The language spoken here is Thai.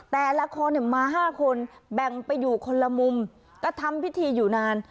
แต่ละคนมา๕คนแบ่งไปอยู่คนละมุมก็ทำพิธีอยู่นาน